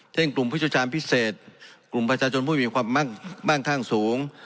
เช่นกลุ่มผู้เชี่ยวชาญพิเศษกลุ่มประชาชนผู้มีความมั่งข้างสูง